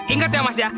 ingat ya mas ya